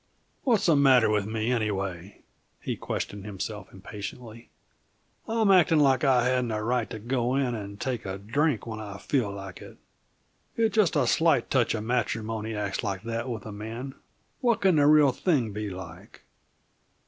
"What's the matter with me, anyway?" he questioned himself impatiently. "I'm acting like I hadn't a right to go in and take a drink when I feel like it! If just a slight touch of matrimony acts like that with a man, what can the real thing be like?